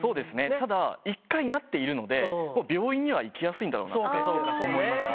ただ一回なっているので、もう病院には行きやすいんだろうなと思いますね。